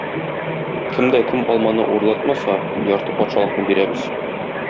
Кем дә кем алманы урлатмаса, ярты патшалыкны бирәбез.